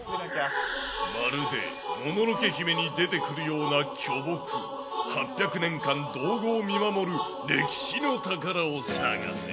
まるでもののけ姫に出てくるような巨木、８００年間、島後を見守る歴史の宝を探せ。